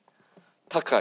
高い。